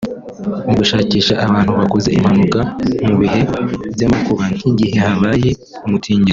mu gushakisha abantu bakoze impanuka mu bihe by’amakuba nk’igihe habaye umutingito